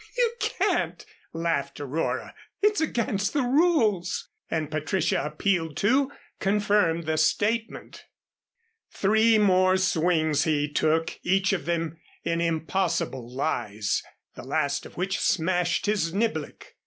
"You can't," laughed Aurora. "It's against the rules." And Patricia appealed to, confirmed the statement. Three more swings he took, each of them in impossible lies, the last of which smashed his niblick.